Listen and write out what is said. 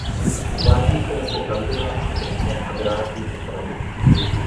Uvádí se jako kandidát České agrární strany.